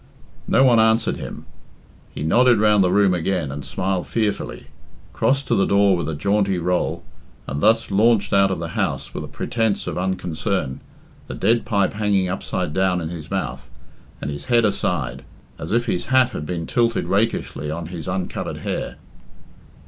No one answered him. He nodded round the room again and smiled fearfully, crossed to the door with a jaunty roll, and thus launched out of the house with a pretence of unconcern, the dead pipe hanging upside down in his mouth, and his head aside, as if his hat had been tilted rakishly on his uncovered hair.